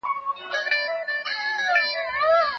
په دوهم قول کي طلاق واقع نه ګڼي.